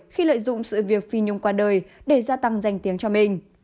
khi lợi dụng sự việc phi nhung qua đời để gia tăng dành tiếng cho mình